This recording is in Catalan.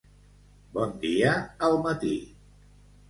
Bon dia al matí